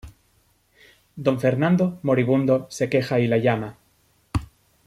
Don Fernando, moribundo, se queja y la llama.